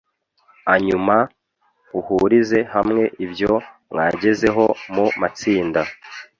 anyuma uhurize hamwe ibyo mwagezeho mu matsinda.